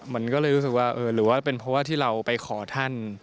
มันก็เลยรู้สึกว่าเออหรือว่าเป็นเพราะว่าที่เราไปขอท่าน